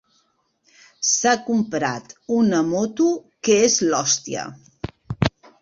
S'ha comprat una moto que és l'hòstia.